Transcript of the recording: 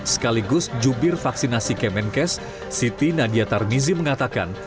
sekaligus jubir vaksinasi kemenkes siti nadia tarmizi mengatakan